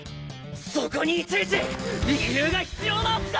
そこにいちいち理由が必要なんすか